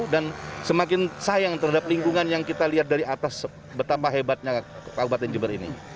dan semakin sayang terhadap lingkungan yang kita lihat dari atas betapa hebatnya kabupaten jember ini